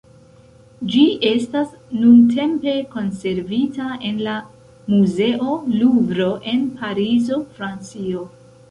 Ĝi estas nuntempe konservita en la Muzeo Luvro en Parizo, Francio.